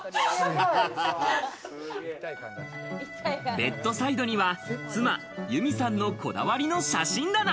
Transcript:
ベッドサイドには妻・ゆみさんのこだわりの写真棚。